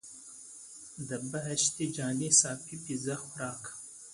د بهشته جانې صافی پیزا خوراک.